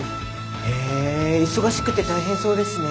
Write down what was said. へえ忙しくて大変そうですね。